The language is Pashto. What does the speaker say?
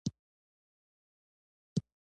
ماشین دلته دی